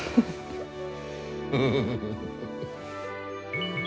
フフフフフ。